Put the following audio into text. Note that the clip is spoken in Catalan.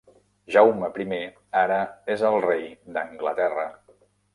Jaume I ara és el rei d'Anglaterra.